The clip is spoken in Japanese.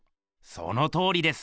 そのとおりです。